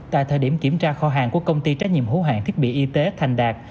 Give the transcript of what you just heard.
tại thời điểm kiểm tra kho hàng của công ty trách nhiệm hữu hạng thiết bị y tế thành đạt